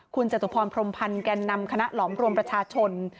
คุณจตุพรพรมพันธ์แก่นำคณะหลอมรวมประชาชน